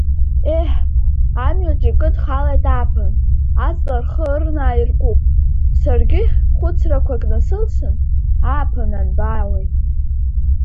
Еҳ, амҩаҿ икыдхалеит ааԥын, аҵла рхы ырнаа иркуп, саргьых хәыцрақәак насылсын, ааԥын анбаауеи?